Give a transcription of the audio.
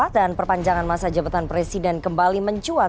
dan perpanjangan masa jabatan presiden kembali mencuat